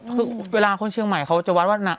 คือเวลาคนเชียงใหม่เขาจะวัดว่า